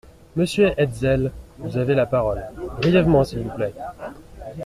Monsieur Hetzel, vous avez la parole, brièvement s’il vous plaît.